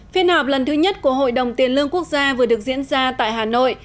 phiên họp lần thứ nhất của hội đồng tiền lương quốc gia vừa được diễn ra tại hà nội